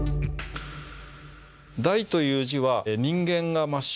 「大」という字は人間が真っ